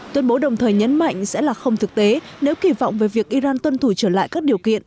tuyên bố đồng thời nhấn mạnh sẽ là không thực tế nếu kỳ vọng về việc iran tuân thủ trở lại các điều kiện